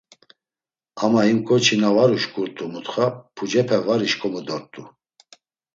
Ama him ǩoçi na var uşǩurt̆u mutxa, pucepe var işǩomu dort̆u!